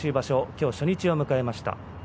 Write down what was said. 今日、初日を迎えました。